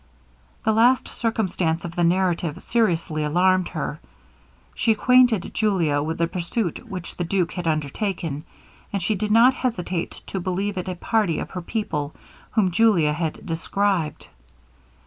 The last circumstance of the narrative seriously alarmed her. She acquainted Julia with the pursuit which the duke had undertaken; and she did not hesitate to believe it a party of his people whom Julia had described.